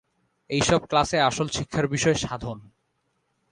এইসব ক্লাসে আসল শিক্ষার বিষয় সাধন।